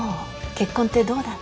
結婚ってどうだった？